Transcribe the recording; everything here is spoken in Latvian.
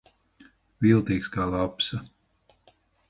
Viltīgs kā lapsa.